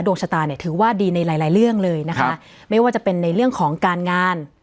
ดวงชะตาเนี่ยถือว่าดีในหลายหลายเรื่องเลยนะคะไม่ว่าจะเป็นในเรื่องของการงาน